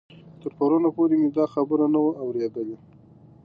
تر پرون پورې مې دا خبر نه و اورېدلی.